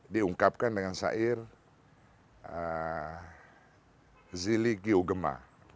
diungkapkan dengan sair zili giugema